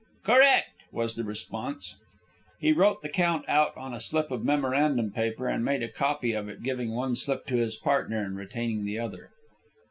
"Correct," was the response. He wrote the count out on a slip of memorandum paper, and made a copy of it, giving one slip to his partner and retaining the other.